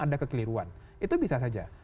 ada kekeliruan itu bisa saja